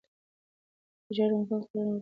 انفجار ممکن کلونه وروسته اغېز ولري.